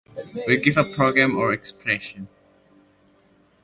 We give a program or expression